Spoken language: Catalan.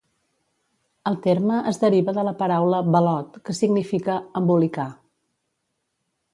El terme es deriva de la paraula "balot" que significa "embolicar".